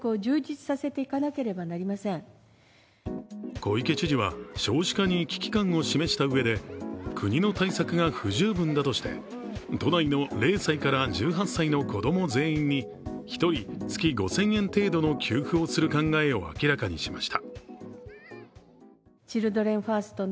小池知事は、少子化に危機感を示したうえで国の対策が不十分だとして都内の０歳から１８歳の子供全員に１人月５０００円程度の給付をする考えを明らかにしました。